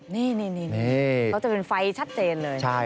นี่เขาจะเป็นไฟชัดเจนเลย